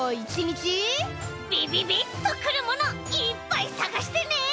ビビビッとくるものいっぱいさがしてね。